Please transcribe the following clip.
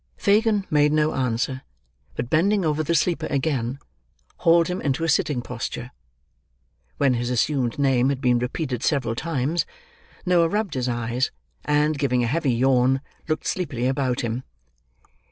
Fagin made no answer, but bending over the sleeper again, hauled him into a sitting posture. When his assumed name had been repeated several times, Noah rubbed his eyes, and, giving a heavy yawn, looked sleepily about him.